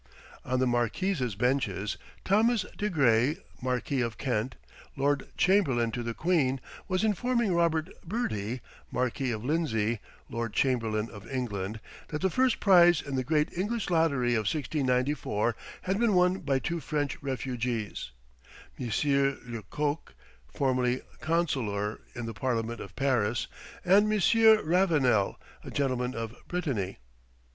On the marquises' benches, Thomas de Grey, Marquis of Kent, Lord Chamberlain to the Queen, was informing Robert Bertie, Marquis of Lindsay, Lord Chamberlain of England, that the first prize in the great English lottery of 1694 had been won by two French refugees, Monsieur Le Coq, formerly councillor in the parliament of Paris, and Monsieur Ravenel, a gentleman of Brittany.